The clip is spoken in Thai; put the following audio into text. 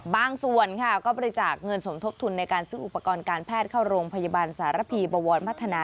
ส่วนค่ะก็บริจาคเงินสมทบทุนในการซื้ออุปกรณ์การแพทย์เข้าโรงพยาบาลสารพีบวรพัฒนา